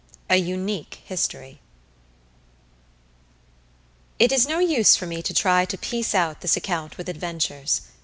A Unique History It is no use for me to try to piece out this account with adventures.